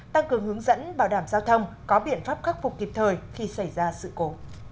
tăng cường hướng dẫn bảo đảm giao thông có biện pháp khắc phục kịp thời khi xảy ra sự cố